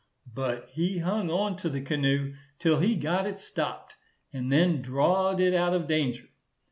But he hung on to the canoe, till he got it stop'd, and then draw'd it out of danger.